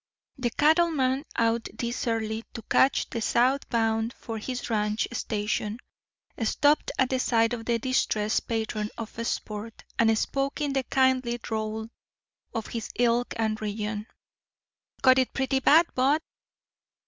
The cattleman, out this early to catch the south bound for his ranch station, stopped at the side of the distressed patron of sport, and spoke in the kindly drawl of his ilk and region, "Got it pretty bad, bud?"